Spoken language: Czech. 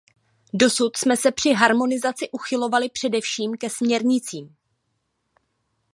Dosud jsme se při harmonizaci uchylovali především ke směrnicím.